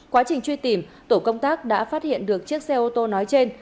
quá trình truy tìm tổ công tác đã phát hiện được chiếc xe ô tô nói trên